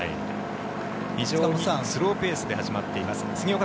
非常にスローペースで始まっています。